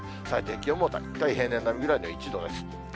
最低気温も、大体平年並みぐらいの１度です。